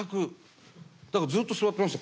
だからずっと座ってました